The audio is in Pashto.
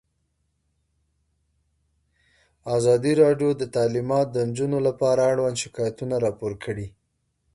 ازادي راډیو د تعلیمات د نجونو لپاره اړوند شکایتونه راپور کړي.